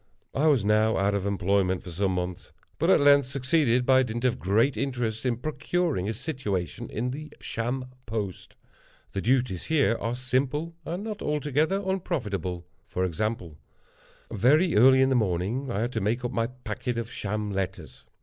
I was now out of employment for some months, but at length succeeded, by dint of great interest, in procuring a situation in the Sham Post. The duties, here, are simple, and not altogether unprofitable. For example:—very early in the morning I had to make up my packet of sham letters.